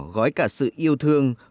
gói cả sự yêu thương